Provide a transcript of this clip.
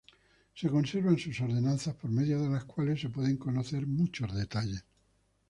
Se conservan sus ordenanzas por medio de las cuales se pueden conocer muchos detalles.